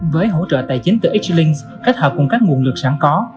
với hỗ trợ tài chính từ x link kết hợp cùng các nguồn lực sản có